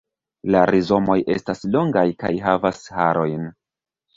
La rizomoj estas longaj kaj havas harojn.